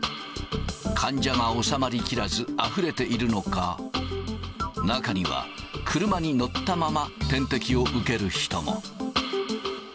患者が収まりきらず、あふれているのか、中には、車に乗ったまま、点滴を受ける人も。